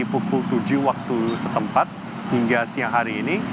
pukul tujuh waktu setempat hingga siang hari ini